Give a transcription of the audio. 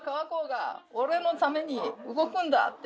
俺のために動くんだって。